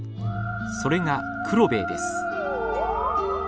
それが「黒ベエ」です。